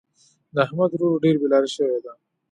د احمد ورور ډېر بې لارې شوی دی.